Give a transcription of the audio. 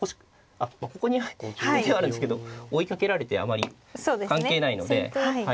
あっここに引く手はあるんですけど追いかけられてあまり関係ないので。